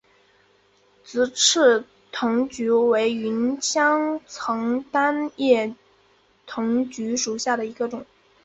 直刺藤橘为芸香科单叶藤橘属下的一个种。